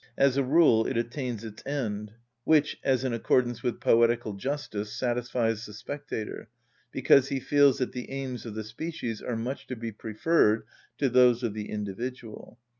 As a rule it attains its end, which, as in accordance with poetical justice, satisfies the spectator, because he feels that the aims of the species are much to be preferred to those of the individual.